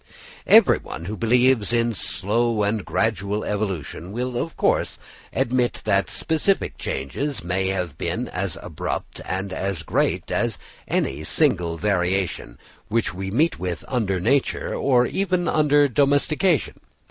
Everyone who believes in slow and gradual evolution, will of course admit that specific changes may have been as abrupt and as great as any single variation which we meet with under nature, or even under domestication.